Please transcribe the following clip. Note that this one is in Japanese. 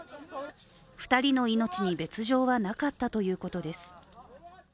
２人の命に別状はなかったということです。